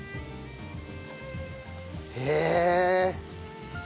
へえ。